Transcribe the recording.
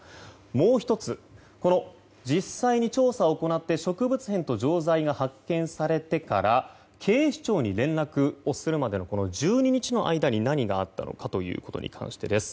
もう１つこの実際に調査を行って植物片と錠剤が発見されてから警視庁に連絡をするまでの１２日の間に何があったのかということに関してです。